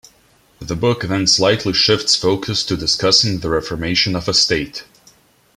The book then slightly shifts focus to discussing the reformation of a state.